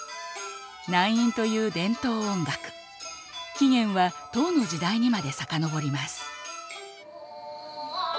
起源は唐の時代にまで遡ります。